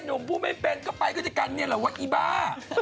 นุงผู้ไม่เป็นก็ไปด้วยกันเหรออีบ้า